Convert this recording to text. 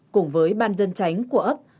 cùng với ban dân tránh của ấp